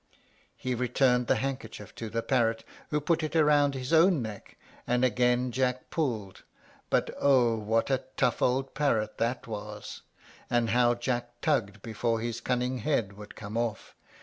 He returned the handkerchief to the parrot, who put it round his own neck, and again Jack pulled. But oh! what a tough old parrot that was, and how Jack tugged before his cunning head would come off!